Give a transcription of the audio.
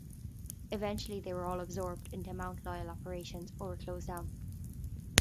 Eventually they were all absorbed into Mount Lyell operations, or were closed down.